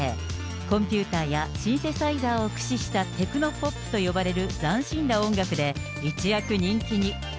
コンピューターやシンセサイザーを駆使したテクノポップと呼ばれる斬新な音楽で、一躍人気に。